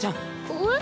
えっ？